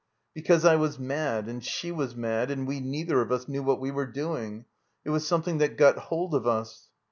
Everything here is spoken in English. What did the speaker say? "Because I was mad and she was mad, and we neither of us knew what we were doing. It was something that got hold of us."